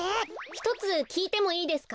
ひとつきいてもいいですか？